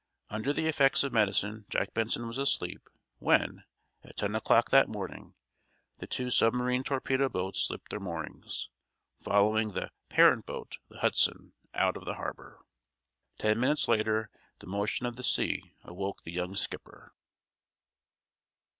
Under the effects of medicine Jack Benson was asleep when, at ten o'clock that morning, the two submarine torpedo boats slipped their moorings, following the "parent boat," the "Hudson," out of the harbor. Ten minutes later the motion of the sea awoke the young skipper.